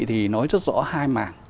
thì nói rất rõ hai mảng